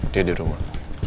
dia di rumah